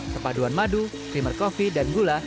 kepaduan madu primer kopi dan gula